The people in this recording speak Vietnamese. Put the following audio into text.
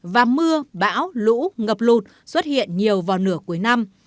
và mưa bão lũ ngập lụt xuất hiện nhiều vào nửa cuối năm